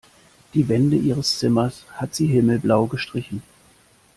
Die Wände ihres Zimmers hat sie himmelblau gestrichen.